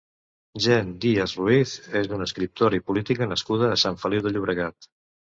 Jenn Díaz Ruiz és una escriptora i política nascuda a Sant Feliu de Llobregat.